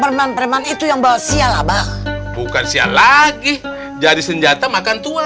reman reman itu yang bisa lebah bukan siang lagi jadi senjata makan tua